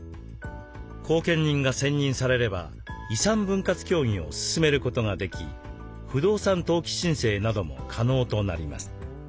後見人が選任されれば遺産分割協議を進めることができ不動産登記申請なども可能となります。